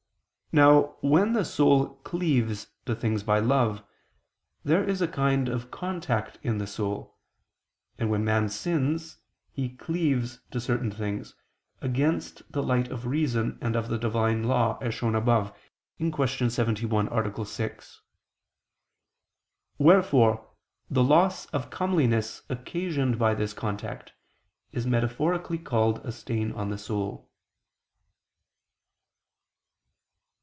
Now, when the soul cleaves to things by love, there is a kind of contact in the soul: and when man sins, he cleaves to certain things, against the light of reason and of the Divine law, as shown above (Q. 71, A. 6). Wherefore the loss of comeliness occasioned by this contact, is metaphorically called a stain on the soul.